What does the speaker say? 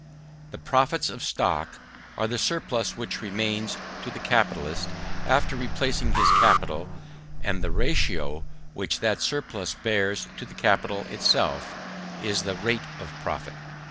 The profits of stock are the surplus which remains to the capitalist after replacing his capital: and the ratio which that surplus bears to the capital itself, is the rate of profit.